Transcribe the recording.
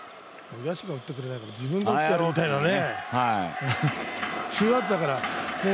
野手が打ってくれないから自分が打ってやるみたいなね。